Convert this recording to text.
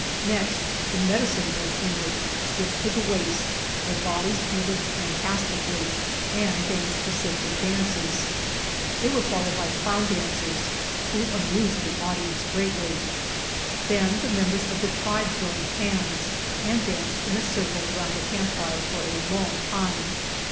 Next the medicine men entered, stripped to the waist, their bodies painted 193 GERONIMO fantastically, and danced the sacred dances. They were followed by clown dancers, who amused the audience greatly. Then the members of the tribe joined hands and danced in a circle around the camp fire for a long time.